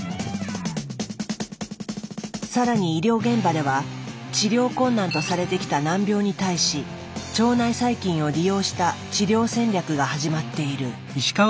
さらに医療現場では治療困難とされてきた難病に対し腸内細菌を利用した治療戦略が始まっている。